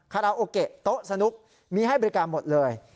คาราโอเกะโต๊ะสนุกมีให้บริการหมดเลย